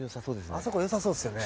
あそこ良さそうですよね。